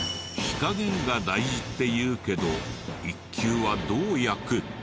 火加減が大事っていうけど１級はどう焼く？